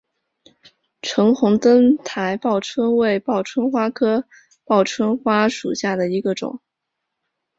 橙红灯台报春为报春花科报春花属下的一个种。